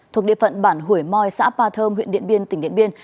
thuộc địa phận bản hủy mòi xã ba thơm huyện điện biên tỉnh điện biên